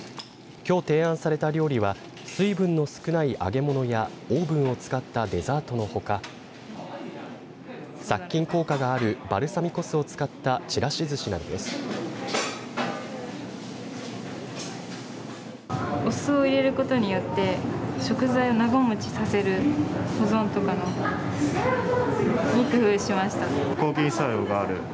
きょう提案された料理は水分の少ない揚げ物やオーブンを使ったデザートのほか殺菌効果があるバルサミコ酢を使ったちらしずしなどです。